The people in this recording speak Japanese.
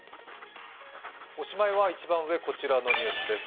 おしまいは一番上、こちらのニュースです。